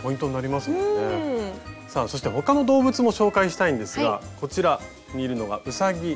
うん！さあそして他の動物も紹介したいんですがこちらにいるのがうさぎ。